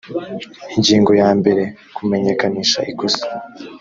ingingo ya mbere kumenyekanisha ikosa